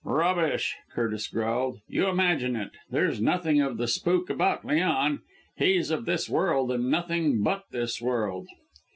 "Rubbish," Curtis growled. "You imagine it. There's nothing of the spook about Leon! He's of this world and nothing but this world."